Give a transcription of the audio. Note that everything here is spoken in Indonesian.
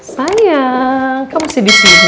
sayang kamu masih di sini